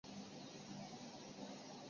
对罹难者家属